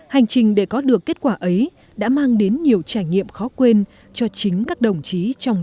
hành trình để có được kết quả ấy đã mang đến nhiều trải nghiệm khó quên cho chính các đồng chí trong